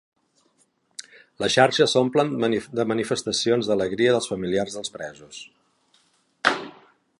Les xarxes s'omplen de manifestacions d'alegria dels familiars dels presos